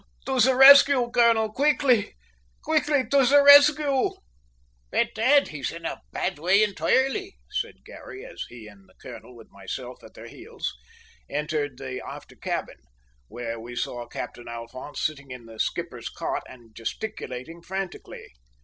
To the rescue, colonel, quickly, quickly, to the rescue." "Bedad, he's in a bad way entoirely!" said Garry, as he and the colonel, with myself at their heels, entered the after cabin, where we saw Captain Alphonse sitting up in the skipper's cot, and gesticulating frantically.